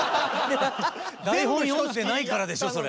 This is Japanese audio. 台本読んでないからでしょそれ。